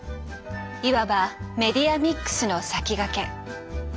いわばメディアミックスの先駆け。